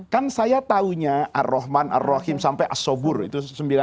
kan saya taunya ar rahman ar rahim sampai as sobur itu sembilan puluh sembilan